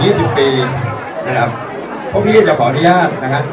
สิบปีนะครับพวกพี่จะขออนุญาตนะฮะ